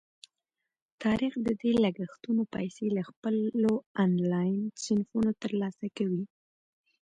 طارق د دې لګښتونو پیسې له خپلو آنلاین صنفونو ترلاسه کوي.